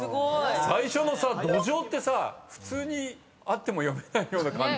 最初のさ「泥鰌」ってさ普通にあっても読めないような感じ。